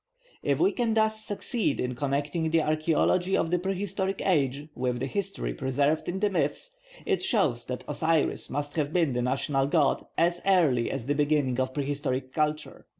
If we can thus succeed in connecting the archaeology of the prehistoric age with the history preserved in the myths, it shows that Osiris must have been the national god as early as the beginning of prehistoric culture.